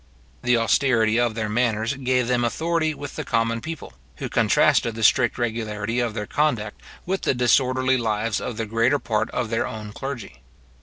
The austerity of their manners gave them authority with the common people, who contrasted the strict regularity of their conduct with the disorderly lives of the greater part of their own clergy.